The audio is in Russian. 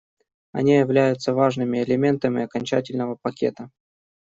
Они являются важными элементами окончательного пакета.